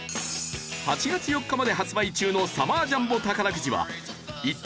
８月４日まで発売中のサマージャンボ宝くじは１等